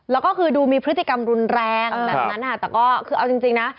แล้วก็คือดูมีพฤติกรรมรุนแรงแบบนั้นค่ะแต่ก็คือเอาจริงนะ